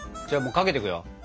じゃあもうかけていくよ。